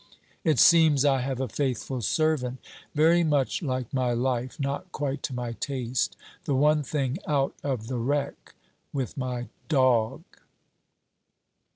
It seems I have a faithful servant; very much like my life, not quite to my taste; the one thing out of the wreck! with my dog!'